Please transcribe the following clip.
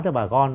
cho bà con